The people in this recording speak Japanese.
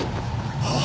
ああ。